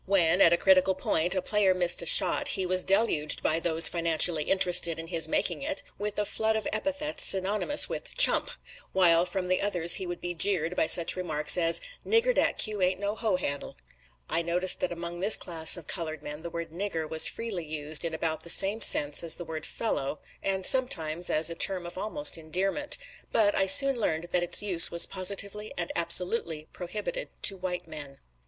When, at a critical point, a player missed a shot, he was deluged, by those financially interested in his making it, with a flood of epithets synonymous with "chump"; While from the others he would be jeered by such remarks as "Nigger, dat cue ain't no hoe handle." I noticed that among this class of colored men the word "nigger" was freely used in about the same sense as the word "fellow," and sometimes as a term of almost endearment; but I soon learned that its use was positively and absolutely prohibited to white men.